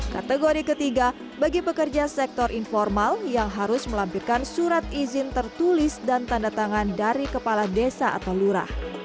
kategori ketiga bagi pekerja sektor informal yang harus melampirkan surat izin tertulis dan tanda tangan dari kepala desa atau lurah